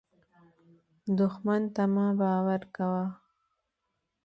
دښمن ته مه باور کوه